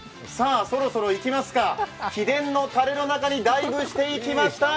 そろそろいきますか、秘伝のたれの中にダイブしていきました。